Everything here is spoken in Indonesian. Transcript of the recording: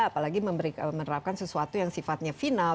apalagi menerapkan sesuatu yang sifatnya final